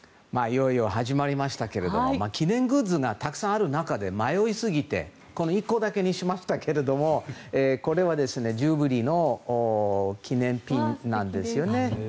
いよいよ始まりましたけれども記念グッズがたくさんある中で迷いすぎて１個だけにしましたけれどもこれはジュビリーの記念ピンなんです。